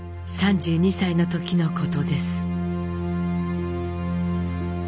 ３２歳の時のことです。